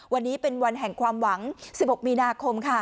วันนี้เป็นวันแห่งความหวัง๑๖มีนาคมค่ะ